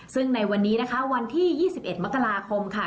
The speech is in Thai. ซึ่งในวันนี้นะคะวันที่๒๑มกราคมค่ะ